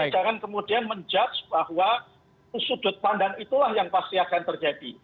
jadi jangan kemudian menjudge bahwa sudut pandang itulah yang pasti akan terjadi